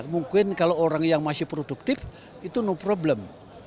mungkin kalau orang yang masih produktif itu no problem